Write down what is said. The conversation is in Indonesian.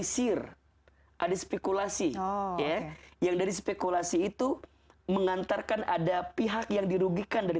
sir ada spekulasi ya yang dari spekulasi itu mengantarkan ada pihak yang dirugikan dari